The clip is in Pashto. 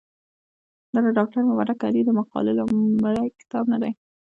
دا د ډاکټر مبارک علي د مقالو لومړی کتاب نه دی.